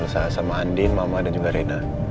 saya sama andin mama dan juga rena